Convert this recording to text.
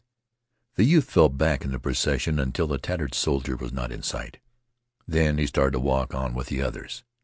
The youth fell back in the procession until the tattered soldier was not in sight. Then he started to walk on with the others.